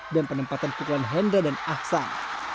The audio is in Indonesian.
dan penempatan pukulan hendra dan ahsan